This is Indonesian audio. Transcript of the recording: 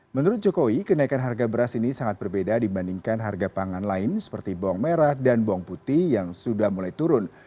menurut jokowi kenaikan harga beras ini sangat berbeda dibandingkan harga pangan lain seperti bawang merah dan bawang putih yang sudah mulai turun